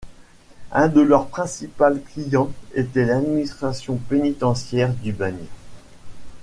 Un de leur principal client était l’administration pénitentiaire du bagne.